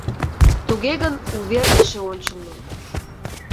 Туге гын, увер эше ончылно.